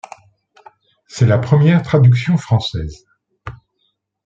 C'est la première traduction française.